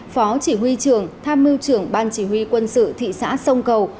phó chỉ huy trưởng tham mưu trưởng ban chỉ huy quân sự thị xã sông cầu